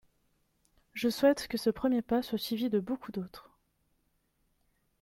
Je souhaite que ce premier pas soit suivi de beaucoup d’autres.